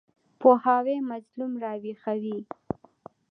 پوهاوی مظلوم راویښوي.